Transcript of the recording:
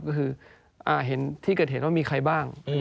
ก็คือเห็นที่เกิดเหตุว่ามีใครบ้าง